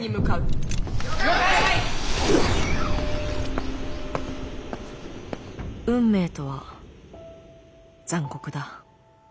心の声運命とは残酷だ。